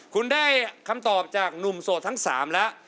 คุณได้คำตอบจากหนุ่มโสดทั้ง๓แล้ว